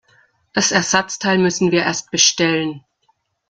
Das Ersatzteil müssten wir erst bestellen.